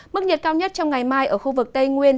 mức nhiệt cao nhất trong ngày mai ở khu vực tây nguyên